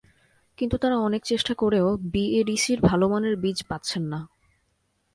কিন্তু তাঁরা অনেক চেষ্টা করেও বিএডিসির ভালো মানের বীজ পাচ্ছেন না।